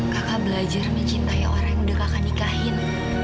kakak belajar mencintai orang yang udah kakak nikahin